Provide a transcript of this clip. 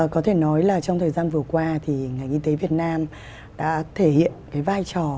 có thể nói là trong thời gian vừa qua thì ngành y tế việt nam đã thể hiện cái vai trò